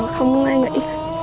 không an nghỉ